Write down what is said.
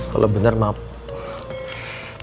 kalo bener maap